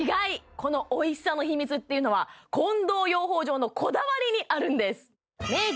このおいしさの秘密っていうのは近藤養蜂場のこだわりにあるんです明治